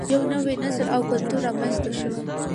یو نوی نسل او کلتور رامینځته شو